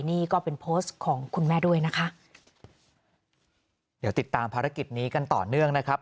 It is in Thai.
นี่ก็เป็นโพสต์ของคุณแม่ด้วยนะคะเดี๋ยวติดตามภารกิจนี้กันต่อเนื่องนะครับ